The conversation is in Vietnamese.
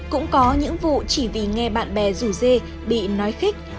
cũng có những vụ chỉ vì nghe bạn bè rủ dê bị nói khích